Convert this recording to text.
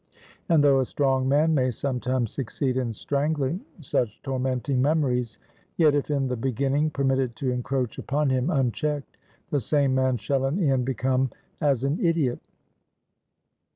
And though a strong man may sometimes succeed in strangling such tormenting memories; yet, if in the beginning permitted to encroach upon him unchecked, the same man shall, in the end, become as an idiot.